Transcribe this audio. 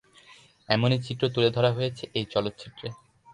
এমনই চিত্র তুলে ধরা হয়েছে এই চলচ্চিত্রে।